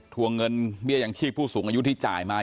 วงเงินเบี้ยยังชีพผู้สูงอายุที่จ่ายมา